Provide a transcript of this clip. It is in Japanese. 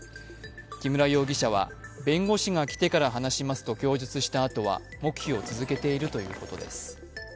木村容疑者は弁護士が来てから話しますと供述したあとは黙秘を続けているということです。